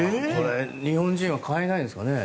日本人は買えないんですかね？